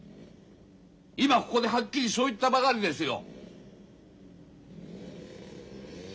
今ここではっきりそう言ったばかりですよ。